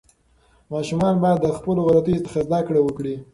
ماشومان باید د خپلو غلطیو څخه زده کړه وکړي.